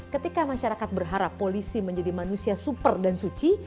ketika masyarakat berharap polisi menjadi manusia super dan suci